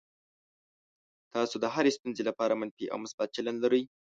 تاسو د هرې ستونزې لپاره منفي او مثبت چلند لرئ.